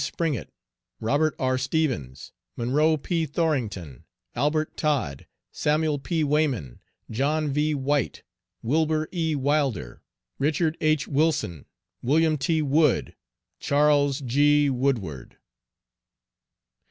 Springett, Robert R. Stevens, Monroe P. Thorington, Albert Todd, Samuel P. Wayman, John V. White, Wilber E. Wilder, Richard H. Wilson, William T. Wood, Charles G. Woodward.